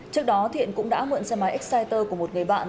trước đó thiện cũng đã mượn xe máy exciter của một người bạn